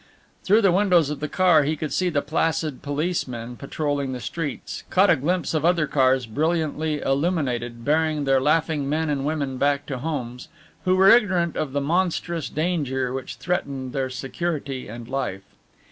Through the windows of the car he could see the placid policemen patrolling the streets, caught a glimpse of other cars brilliantly illuminated bearing their laughing men and women back to homes, who were ignorant of the monstrous danger which threatened their security and life.